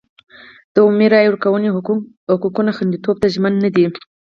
د عمومي رایې ورکونې حقونو خوندیتوب ته ژمن نه دی.